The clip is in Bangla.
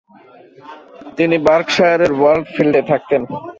তিনি বার্কশায়ারের ওয়ারফিল্ডে থাকতেন।